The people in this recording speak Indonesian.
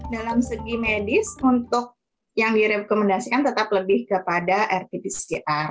dalam segi medis untuk yang direkomendasikan tetap lebih kepada rt pcr